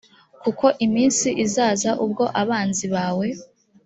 kuko iminsi izaza ubwo abanzi bawe